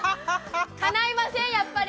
かないませんやっぱり。